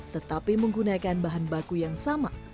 tetapi menggunakan bahan baku yang sama